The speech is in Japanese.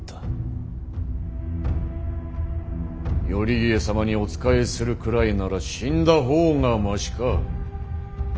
頼家様にお仕えするくらいなら死んだ方がマシか。